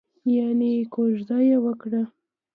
یانې کوژده یې وکړه؟